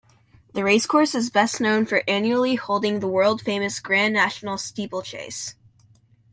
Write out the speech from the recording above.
The racecourse is best known for annually holding the world-famous Grand National steeplechase.